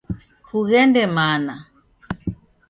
Kughende mana!